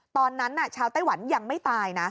ตอนนั้นชาวไต้หวันยังไม่ตายนะ